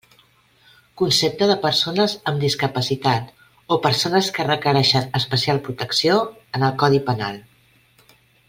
Concepte de persones amb discapacitat o persones que requereixen especial protecció, en el Codi Penal.